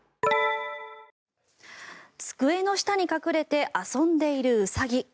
机の下に隠れて遊んでいるウサギ。